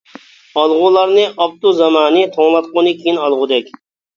ئالغۇلارنى ئاپتۇ زامانى، توڭلاتقۇنى كېيىن ئالغۇدەك.